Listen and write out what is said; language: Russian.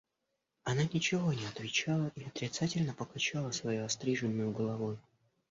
Она ничего не отвечала и отрицательно покачала своею остриженною головой.